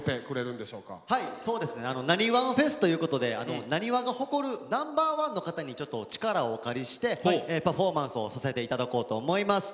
「なにわんＦＥＳ」ということでなにわが誇るナンバーワンの方にちょっと力をお借りしてパフォーマンスをさせて頂こうと思います。